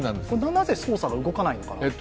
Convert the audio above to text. なぜ捜査が動かないんですか？